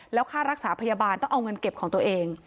แล้วค่ารักษาพยาบาลต้องเอาเงินเก็บของตัวเอง